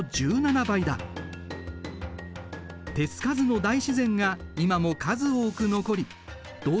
手付かずの大自然が今も数多く残り動植物の宝庫だ。